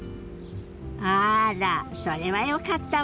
あらそれはよかったわね！